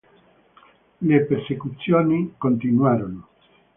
Le persecuzioni continuarono.